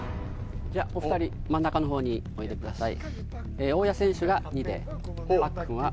お二人、真ん中のほうにおいでください。